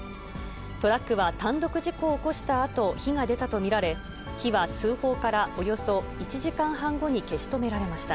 トラックは単独事故を起こしたあと、火が出たと見られ、火は通報からおよそ１時間半後に消し止められました。